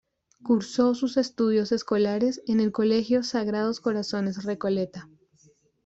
Cursó sus estudios escolares en el Colegio Sagrados Corazones Recoleta.